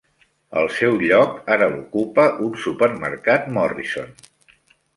El seu lloc ara l'ocupa un supermercat Morrison.